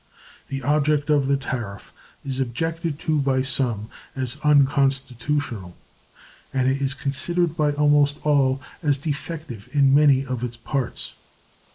The object of the tariff is objected to by some as unconstitutional, and it is considered by almost all as defective in many of its parts.